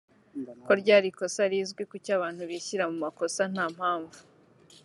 ko ryari isoko rizwi kuki abantu bishyira mu makosa nta mpamvu